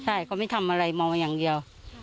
ใช่เขาไม่ทำอะไรมองอย่างเดียว